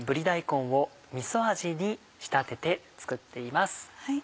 大根をみそ味に仕立てて作っています。